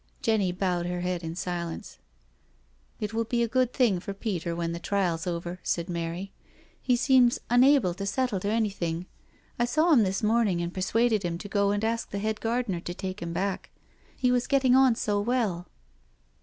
Jenny bowed her head in silence. " It will be a good thing for Peter when the trial's over," said Mary. " He seems unable to settle to any thing. I saw him this morning and persuaded him to go and ask the head gardener to take him back ; he was getting on so well.'